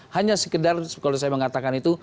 hanya sekedar kalau saya mengatakan itu